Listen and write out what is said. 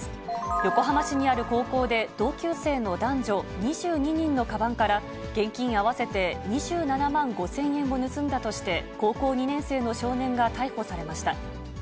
横浜市にある高校で、同級生の男女２２人のかばんから、現金合わせて２７万５０００円を盗んだとして、高校２年生の少年が逮捕されました。